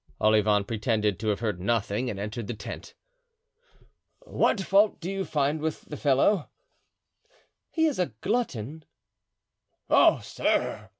Olivain pretended to have heard nothing and entered the tent. "What fault do you find with the fellow?" "He is a glutton." "Oh, sir!"